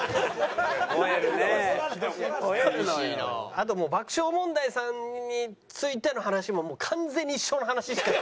あともう爆笑問題さんについての話ももう完全に一緒の話。